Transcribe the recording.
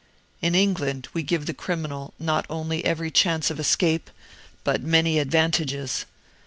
In England we give the criminal not only every chance of escape, but many advantages.